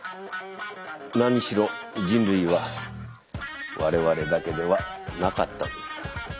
何しろ人類は我々だけではなかったんですから。